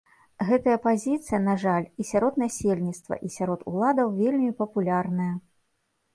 Гэтая пазіцыя, на жаль, і сярод насельніцтва, і сярод уладаў вельмі папулярная.